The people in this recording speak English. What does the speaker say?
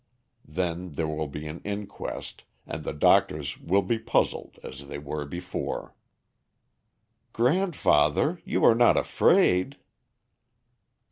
Then there will be an inquest, and the doctors will be puzzled, as they were before." "Grandfather! You are not afraid?"